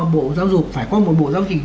bộ giáo dục phải có một bộ giáo chỉnh